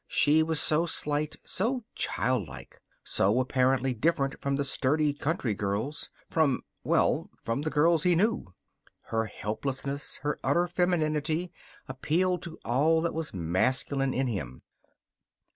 She was so slight, so childlike, so apparently different from the sturdy country girls. From well, from the girls he knew. Her helplessness, her utter femininity, appealed to all that was masculine in him.